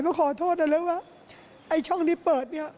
มาขอโทษกันเลยว่าไอ้ช่องที่เปิดเนี่ย